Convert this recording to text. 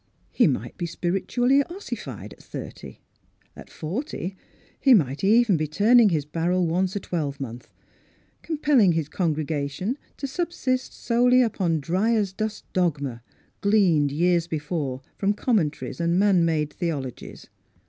He might be spiritually ossified at thirty ; at forty he might even be turning his barrel once a twelve month, compelling his congregation to subsist solely upon dry as dust dogma, gleaned years before from commentaries and man made theolo gies.